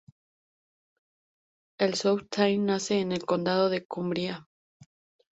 El South Tyne nace en el condado de Cumbria.